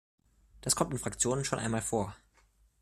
Das kommt in Fraktionen schon einmal vor.